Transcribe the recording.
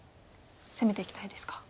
攻めていきたいですか。